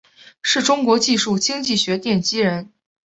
是中国技术经济学奠基人。